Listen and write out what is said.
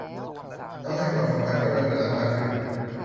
ต้องให้ความสำคัญกับเรื่องเวลามากขึ้น